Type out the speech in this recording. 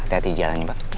hati hati di jalannya mbak